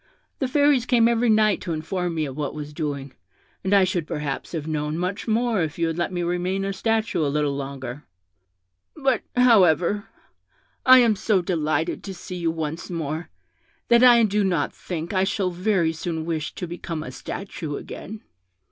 The Fairies came every night to inform me of what was doing, and I should perhaps have known much more if you had let me remain a statue a little longer; but, however, I am so delighted to see you once more, that I do not think I shall very soon wish to become a statue again.'